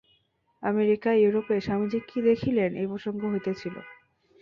আমেরিকা-ইউরোপে স্বামীজী কি দেখিলেন, এই প্রসঙ্গ হইতেছিল।